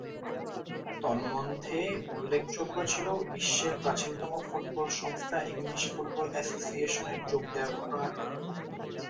তন্মধ্যে উল্লেখযোগ্য ছিল বিশ্বের প্রাচীনতম ফুটবল সংস্থা ইংলিশ ফুটবল এসোসিয়েশনের যোগ দেয়ার ঘটনাটি।